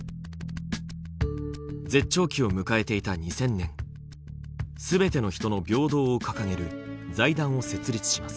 絶頂期を迎えていた２０００年すべての人の平等を掲げる財団を設立します。